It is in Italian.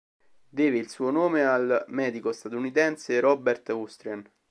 Deve il suo nome al medico statunitense Robert Austrian.